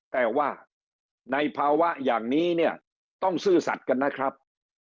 แต่ว่าในภาวะอย่างนี้เนี่ยต้องซื่อสัตว์กันนะครับ